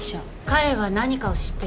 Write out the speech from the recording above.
彼は何かを知ってる。